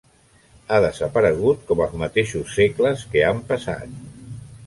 Ha desaparegut com els mateixos segles que han passat.